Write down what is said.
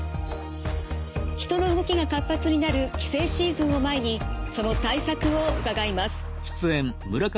人の動きが活発になる帰省シーズンを前にその対策を伺います。